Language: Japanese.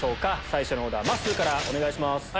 最初のオーダーまっすーからお願いします。